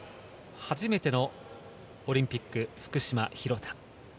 初めてのオリンピック、福島・廣田。